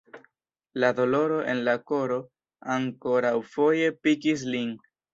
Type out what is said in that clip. La doloro en la koro ankoraŭfoje pikis lin.